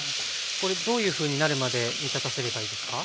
これどういうふうになるまで煮たたせればいいですか？